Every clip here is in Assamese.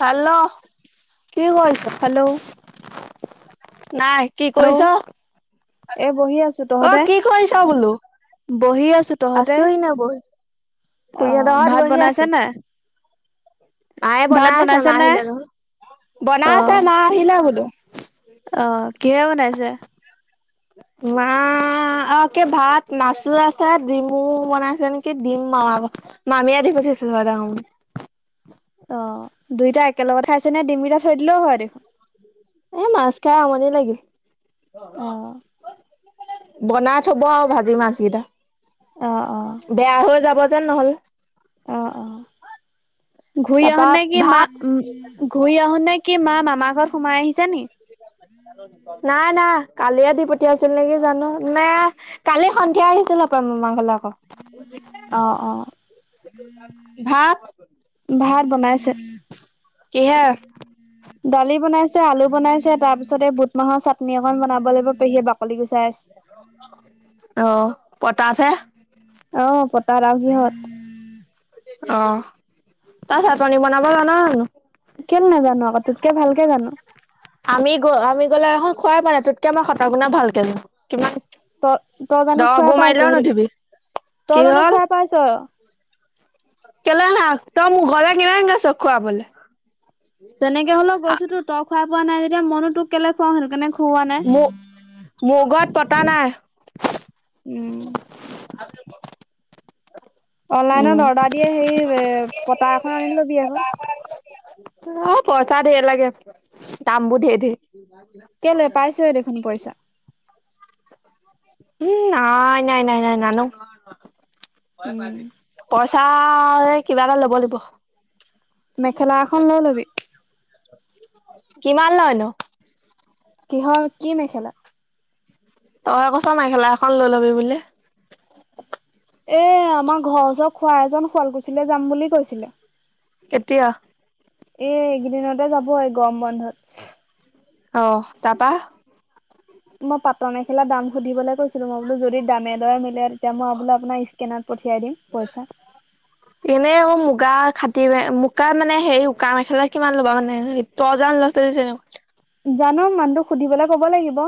হেল্ল' কি কৰিছ হেল্ল' নাই কি হেল্ল' কৰিছ এ বহি আছো অ তহঁতে কি কৰিছা বোলো বহি আছো তহঁতে আছহি ন বৌ অ কুইিয় দহ য ভাত বহি বনাইছে আছো নাই মায়ে ভাত বনাই আছে বনাইছে মা নাই আহিলে নহয় বনাই আছে মা আহিলে বোলো আহ কিয়ে বনাইছে মা আ কে ভাত মাচো আছে ডিমু বনাইছে নেকি ডিমু মা মামীদি পঠাইছে চঙ অ দুইটা একেলগত খাইছে নে ডিমিটা থৈ দিলেও হয় দেখোন এ মাছ খাই আমনি লাগিল অ বনাই থব আৰু ভাজি মাছ কেইটা অ অ বেয়া হৈ যাব যেন নহ'ল ঘুৰি আহো নে কি মা ঘূৰি আহো নে কি মা মামা ঘৰ সোমাই আহিছা নি নাই নাই কালিয়ে দি পঠিয়াইছিল নেকি জানো নে কালি সন্ধিয়া আহিছিল আপাৰ ম মাঘলে আকৌ অঁ অঁ ভাত ভাত বনাইছে কিহে দালি বনাইছে আলু বনাইছে তাৰ পিছত পিছতে বুট মাহৰ চাটনি এন বনাবলৈ পেহীয়ে বাকলি গৈছে অ পতাছেে অ পতা আৰু সিহঁত অ তাৰ চাল পানী বনাব জানানো কেলে নাজানো আকৌ তোতকে ভালকে জানো আমি গ আমি গলে আহক খোৱাই প নাই ততকে আমাৰ সতা বনাাই ভালকে কিমানা তই তই জানো দ খুৱাই গো পাইছ মাৰ লাও সেইটো নঠিবি তই কি জানো হল খুৱাই পাইছ কেলে না ত মোৰ গলে কিমান গাছ খোৱা বলে তেনেকে হ'লেও গৈছো তো তই খোৱা পোৱা নাই যেতিয়া মনো তোক কেলে খুৱও হেন ম মগত পতা নাই উম উম অনলাইনত অৰ্ডাৰ দিয়ে সেই পতা এখন আনি লবি এখন অ পইচা ধেৰ লাগে দাম বোৰ ধঢেৰ ধেৰ কেলৈ পাইছহে দেখোন পইচা উম নাই নাই নাই নাই নানো উম পইচা কিবা এটা ল'ব লাগিব মেখেলা এখন লৈ ল'বি কিমান লয়ন কিহৰ কি মেখেলা তই কছ মেখেলা এখন লৈ ল'বি ব এ আমাৰ ঘৰচ খোৱা এজন শুৱালকুছিৈ যাম বুলি কৈছিলে কেতিয়া এ এইকেইদিনতে যাব এই গম বন্ধত অ তাৰাবা মই পাতৰ মেখেলা দাম সুধিবলৈ কৈছিলো মই বোলো যদি দামে দৰে ম তেতিয়া মই বোলে আপোনাৰ স্কেনত পঠিয়াই দিম পইচা মুোকাত মানে সে উকা মেখেলা কিমান ল'বা মানে তই জান ল'ৰা ছোৱালীক জানো মানুহ সুধিবলৈ কব লাগিব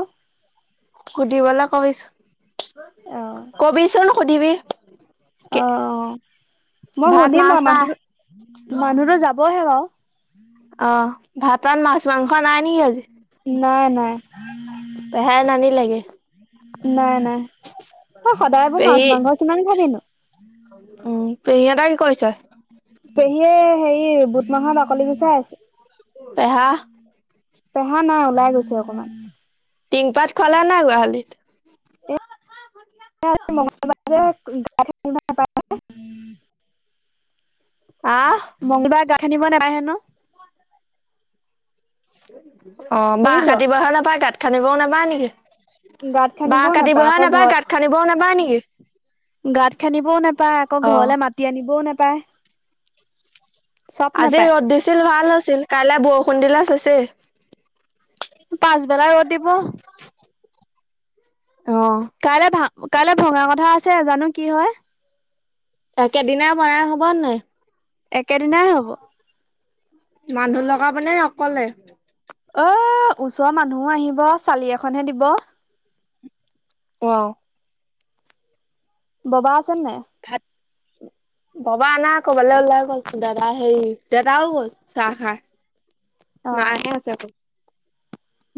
সুধিবলৈ অ', কবিছো কবিচোন ন সুধিবি অ মই ভাত শুনিম বা মাছ নাই মানুহ মানুহতো যাবহে ব অ ভাতত মাছ মাংস নাই নেকি আজি নাই নাই পেহাই নান লোগে অ সদায়বোৰ মাছ মাংস কিমান ভাবিিনো পেহী এটাই কি কৰিছে পেহীয়ে হেৰি বুট মাহৰ বাকলি গুচাই আছে। পেহা পেহা নাই ওলাই গৈছে অকমান। টিংপাত খলা নাই গোহালিত? মঙলবাৰে গাড় নাপ আহ [inaudible] মঙ্গলবাৰে গাখীৰ নিব নাহে ন? অ বাহ শুনিছ কাটিবহে নাপায় গাঁত খান্দিবও নাপায় নেকি? গাঁত বাহ খান্দিবও কাটিবহে আকৌ নাপায় ঘৰত গাঁত খান্দিবও নাপায় নেকি? গাঁত খান্দিবও নোপায় আকৌ ঘৰলে মাতি আনিবও নোপায়। আজি ৰ'দ দিছিল ভাল হৈছিল কাইলে বৰষুণ দিলে চেছে। পাচবেলা ৰ'দ দিব। অ' কাইলৈ ভা কাইলৈ ভঙা কথা আছে জানো কি হয়। একেদিনাই বনাই হ'ব নে নাই? একেদিনাই হব। মানুহ লগাব নে অকলে? অ ওচৰৰ মানুহো আহিব চালি এখনহে দিব। আহ। বাবা আছে নে নাই? [inaudible] ববা আনা ক'বালৈ ওলাই গ'ল দাদা হেৰি দাদাও গ'ল চাহ খাই। অ মাইহে আছে অকল।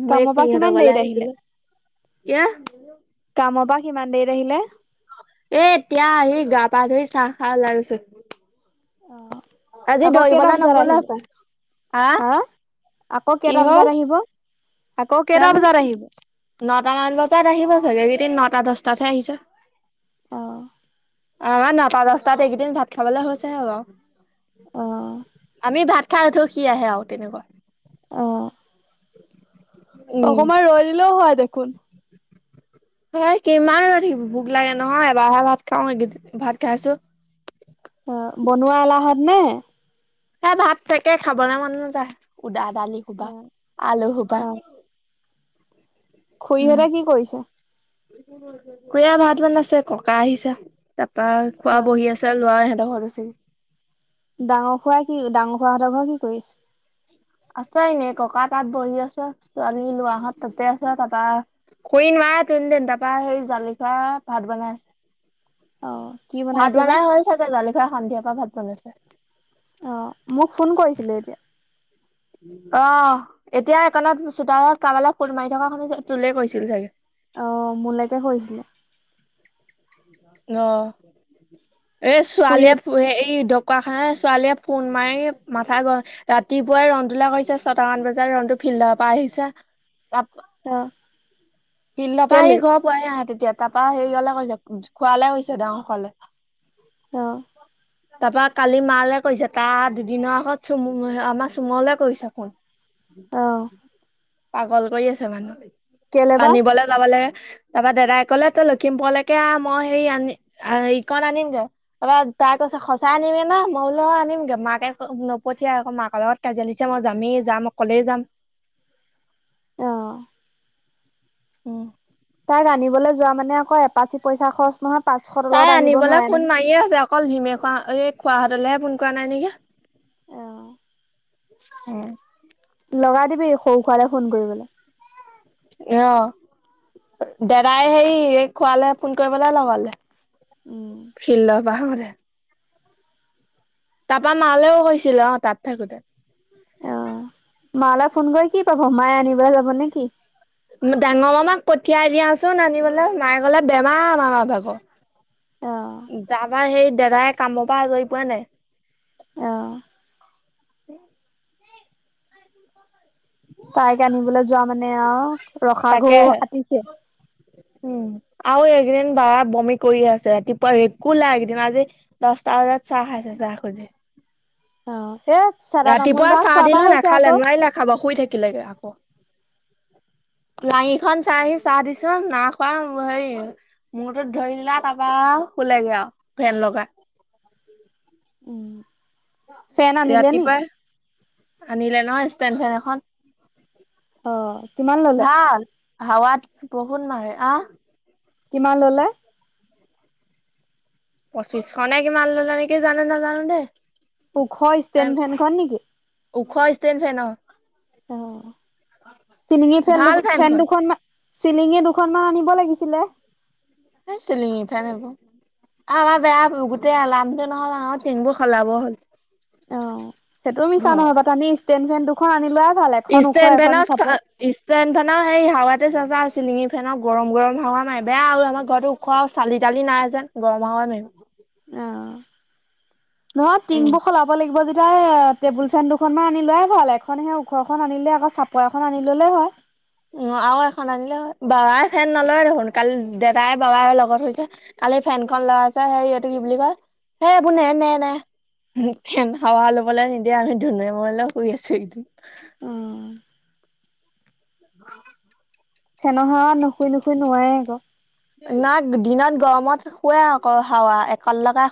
মই কামৰ একো পৰা কিমান ইহঁতৰ ঘৰলে দেৰিত আহিলে আহিছিলো এয়া কামৰ পৰা কিমান দেৰিত আহিলে এ এতিয়া আহি গা পা ধৰি চাহ খাই উলাই গৈছে। অ আকৌ কেইটা বজাত নগ'লে আহিব? হপায়। হা আকৌ কি কেইটা হ'ল বজাত আহিব? আকৌ কেইটা জানো বজাত কি আহিব নটা মান বজাত আহিব চাগে কেইদিন নটা দছটাতহে আহিছে। অ'। আমাৰ নটা দশটাত এইকেইদিন ভাত খাবলৈ হৈছেহে আৰু, অ আমি ভাত খাই উঠ সি আহে আৰু তেনেকুৱা। অ'। [inaudible] অকমান ৰৈ দিলেও হয় দেখোন। [inaudible] হয় কিমান ৰৈ থাকিম ভোক লাগে নহয় এবাৰে ভাত খাও ভাত খাইছো। অ বনোৱা এলাহত নে? সেই ভাত থাকে খাবলৈ মন নাযায় উদাত দালি সোপা অ আলু সোপা। খু়ৰিহতে কি কৰিছে? খুৰিয়ে ভাত বনাইছে ককা আহিছে তাৰাপা খোৱা অ' বহি আছে লৰা আহি [unintelligible] ডাঙৰ খুৰাই কি ডাঙৰ খোৰাহঁতৰ ঘৰৰ কি কৰিছে? আছে এনে ককা তাত বহি আছে ছোৱালী লৰাহত তাতে আছে তাৰপা খুৰি নোৱাৰে তিন দিন তাৰপা সেই জালি খোৱা ভাত বনাই অ' কি ভাত বনাইছে বা? বনাই হল চাগে জালি ঘৰা সন্ধিয়াৰ পৰা ভাত বনাইছে। অ' মোক ফোন কৰিছিলে এতিয়া। অ' এতিয়া এককণত চোতালত কবালে ফুল মাৰি থকা শুি তোুল কৈছিল চাগে। অ মোলৈকে কৰিছিলে। অ এ ছোৱালীয়ে খুৰীহঁত এই কুকা খানা ছোৱালীয়ে ফোন মাৰি মাথা গৰম ৰাতিপুৱাই ৰন্ধোলা কৰিছে ছয়টামান বজাত ৰন্ধটো পিল প আহিছা ত অ প্ৰ পৰা আহি কেলে? ঘৰ পোৱাই আহে তেতিয়া তাৰপা হেৰি হলে কৈছে খোৱালে কৈছে ডাঙৰসকলে অ তাৰপা কালি মালে কৰিছে তাৰ দুদিনৰ আগত চুম আমাৰ চুমলে কৰিছো কুোন অ' পাগল কৰি আছে মানুহ কেলে বা? আনিবলৈ যাব লাগে তাৰপৰা দাদাই কলে তই লখিমপুৰলৈকে আহ মই হে আনি ইকণ আনিমগৈ তাৰপা তাক ত সঁচাই আনিমে না মই লও আনিমগে মাকে নপঠিয়াই আকৌ মাকৰ লগত কাজিয়া ল দিছে মই যামেই যাম আমই কলে যাম আহ উম তাইক আনিবলৈ যোৱা মানে আকৌ এপাচি পইচা খৰচ নহয় পাঁচশ তলত তাই আহিব আনিবলৈ নোৱাৰে ফোন নহয়। মাৰি আছে অকল ধিমে খোৱা এই খোৱাহঁতলেহে ফোন কৰা নাই নেকি আহ স লগাই দিবি সৰু খোৱে ফোন কৰিবলৈ অ দাদাই হে খোৱালে ফোন কৰিবলৈ লগলে উম ফিল্ল বাহতে তাৰাপা মালেও হৈছিলে অ তাত থাকোতে অ মালৈ ফোন কৰি কি পাব মায় আনিব যাব নে কিি ডাঙৰ মামাক পঠিয়াই দিয়াচোন আনিবলৈ মায়ে গলে বেমাৰ আমাৰ মাৰ অ' ভাগৰ যাবা সেই দাদাই কামৰ পৰা আজৰি পোৱা নাই আহঁ তে তাইক আনিবলৈ যোৱা মানে আহ ৰসা ঘো তাকেহে। আতিিছে উম আৰু এইকেইদিন বাৰ বমি কৰিয়ে আছে ৰাতিপুৱা একোলা এককদিন আজি দচটা াত চাহাইছে ৰা খোজ অ এ চেৰা তামোল ৰাতিপুৱা বা চাহ খোৱা পৰা দিলে হৈছে নাখালে আকৌ নোৱাৰ নাখাব শুই থাকিলেগে আকৌ লাহিখন চাই আহি চাহ দিছো না খোৱা হে মূৰটোো ধৰি দিলা তাৰপা লেগে আৰু ভেন লগাই উম ফেন আনিলে নি? ৰাতিপুৱাই আনিলে ন ষ্টেড ফেন এখন অ কিমান ললে? ভাল হাৱাত বহুত মাৰোৰে কিমান আহ ললে? পঁচিছ খ নাই কি মাৰ ললা নে কি জানে নাজানো দেে পোখৰ ষ্টেণ্ড ফেনখন নেকি ওখ আহছে নছেে ন অ চিলিঙি ফন দু ভাল ফেন ফেনখন। দুখন ম চিলিঙে দুখনমান আনিব লাগিছিলে সছিল লিিফাল গ অ আমাৰ বেয়া গোটেই লামটো নহল আ টেংবোৰ সলাব হ'ল অ সেইটোও মিছা নহয় ব তনি ষ্টেণ্ড ফেন দুখন আনি লোৱা ই এন বে ন ই এন ন সেই হাৱাতে চ্া আছিলিঙি ফেনক গৰম গৰম হাৱা নাই বেয়া আৰু আমাৰ ঘৰতো উওখোৱা চালি তালি নাই াজান গৰম হ ন অ নহয় টিংবোৰ খলাব লাগিব যদি াৰ টেবুল ফেন দুখনমান আনি লোৱয় ভাল এখন সেই ওখৰখন আনিলে আকৌ চাপৰ এখন আনি ললেই হয় অ আৰু এখন আনিলে হয় বাবাই ফেন নলয় দেখোন কালি দাদাই বাবাই লগত হৈছে আলি ফেনখন ল আছে সে সহটো কি বুলি কয় হে এইবোৰ নে নে নে হাৱা ল'বলৈ নিদিয়ে আমি ধুনু এ মই ৰ লৈ শুই আছো এ উম [inaudible] ফেনৰ হাৱাত নুখুই নুখুই নোৱেই আকৌ। না দিনত গৰমত শুৱে আকৌ হাৱা একল লগাই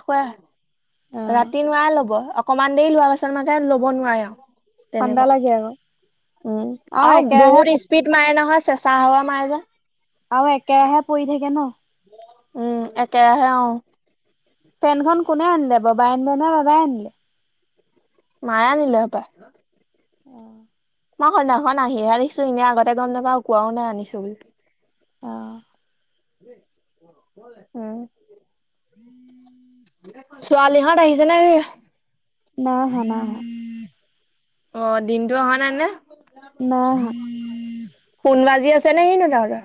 অ শুৱে। ৰাতি নোৱাই ল'ব অকমান দেৰি লোৱাৰ পাছত মানে লব নোৱাৰে আৰু। ঠাণ্ডা তেনেকুৱা লাগে আকৌ। উম আৰু বহুত স্পীড মাৰে নহয় চেষ্ট চাহোৱা মাৰেজে। আৰু একেৰাহে পৰি থাকে ন। উম একে আহে অ। ফেনখন কোনে আনিলে বাবাই আনিলে নে দাদাই আনিলে? মায়ে আনিলে সপাই। অ'। মই সন্ধ্যাখন আহিহে দেখিছো এনেই আগতে গম নাপাওঁ কোৱাও নাই আনিছো বুলি। অ'। উম। উম। ছোৱালী হত আহিছেনে কি? নাই অহা নাই অহা। অ, দিনটো অহা নাই নে। নাই আহা। ফোন বাজি আছে নে কিনি তহঁতৰ?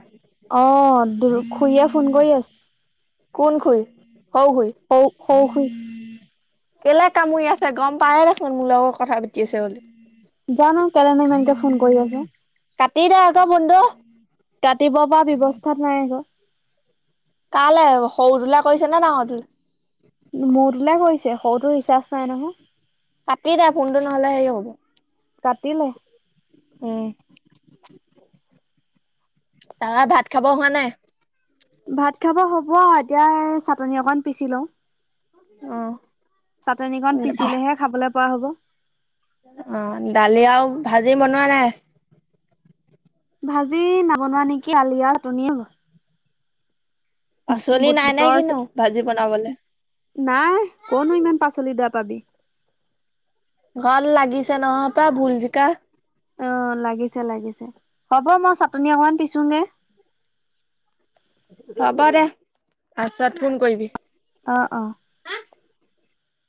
খুঁহিয়ে ফোন কৰি আছে। কোন খুই? হওঁ হওঁ খুই। কেলে কামুৰি আছে গম পায়ে দেচোন মোৰ লগত কথা পাতি আছে বুলি। জানো কেলেনিউ ইমানকে ফোন কৰি আছে। কাটি দে আক ফোনটো কাটিব পৰা ব্যৱস্থাত নাই আকৌ। কালে সৰু তোলা কৰিছে নে ডাঙৰটো? মূৰ তুল কৰিছে সৰুটো ৰিচাৰ্জ নাই নহয়। কাটি দো ফোনটো নহ'লে সে হ'ব। কাটিলে। উম। তাপা ভাত খাব হোৱা নাই? ভাত খাব হ'ব এতিয়া চাটনি অকণ পিচি লওঁ। অ', চাটনকণ পিচিলেহে খাবলৈ পোৱা হ'ব। অ, দালি আৰু ভাজি বনোৱা নাই। ভাজি নবনোৱা নেকি দালি আৰু চাটনিএ হ'ব। পাচলি নাই নে বুটৰ কিনি ভাজি বনাবলৈ। নাই কনো ইমান পাচলি দা পাবি। ঘৰত লাগিছে নহ প ভুল জিকা। অ লাগিছে লাগিছে হ'ব মই চাটনি অকমান পিছোগে। হ'ব দে পাছত ফোন কৰিবি। অ অ